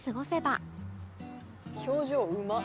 「表情うまっ」